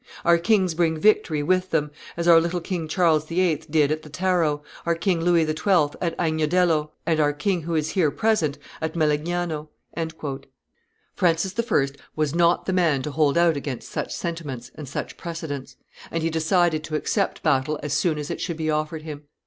Our kings bring victory with them, as our little king Charles VIII. did at the Taro, our king Louis XII. at Agnadello, and our king who is here present at Melegnano." Francis I. was not the man to hold out against such sentiments and such precedents; and he decided to accept battle as soon as it should be offered him.